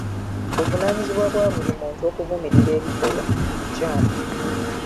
Buvunaanyizibwa bwa buli muntu okuvumirira ebikolwa ebikyamu.